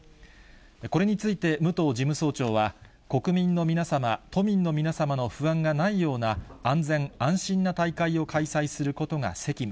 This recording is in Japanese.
これについて、武藤事務総長は、国民の皆様、都民の皆様の不安がないような安全安心な大会を開催することが責務。